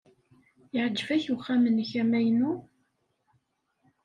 Yeɛjeb-ak uxxam-nnek amaynu?